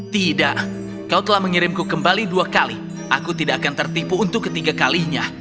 tidak kau telah mengirimku kembali dua kali aku tidak akan tertipu untuk ketiga kalinya